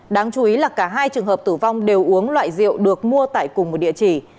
đáng chú ý là cả hai trường hợp tử vong đều uống loại rượu được mua tại cùng một địa chỉ